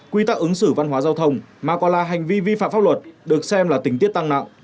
quy tắc ứng xử văn hóa giao thông mà còn là hành vi vi phạm pháp luật được xem là tình tiết tăng nặng